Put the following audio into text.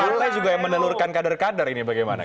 partai juga yang menelurkan kader kader ini bagaimana